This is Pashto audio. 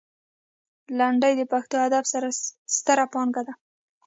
لنډۍ د پښتو ادب ستره پانګه ده.